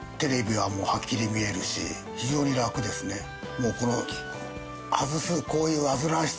もうこの。